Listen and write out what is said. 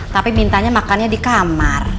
tapi mintanya makannya di kamar